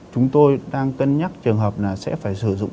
chúng tôi đang cân nhắc trường hợp là sẽ phải sử dụng